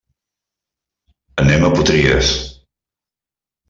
Anem a Potries.